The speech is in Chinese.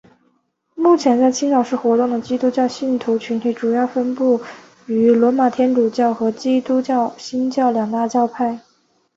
目前在青岛市活动的基督教信徒群体主要分属于罗马天主教和基督教新教两大教派。